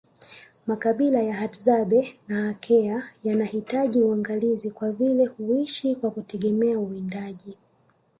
Makabila ya Hadzabe na Akea yanahitaji uangalizi kwa vile huishi kwa kutegemea uwindaji